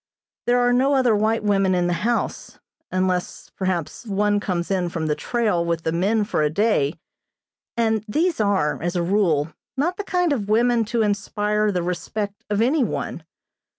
There are no other white women in the house, unless, perhaps, one comes in from the trail with the men for a day, and these are, as a rule, not the kind of women to inspire the respect of any one.